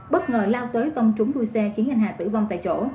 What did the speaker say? bất ngờ lao tới tông trúng đuôi xe khiến anh hà tử vong tại chỗ